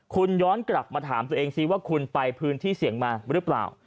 คุณย้อนกลับมาถามตัวเองซิว่าคุณไปพื้นที่เสี่ยงมาหรือเปล่า